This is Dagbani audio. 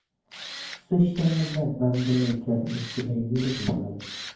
So’ shɛŋa Dagbamb ni doli n-chihiri yɛligu noli.